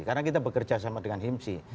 karena kita bekerja sama dengan himsi